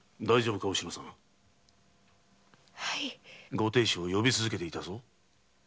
ご亭主を呼び続けていたぞ。